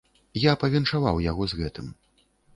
Я павіншаваў яго з гэтым.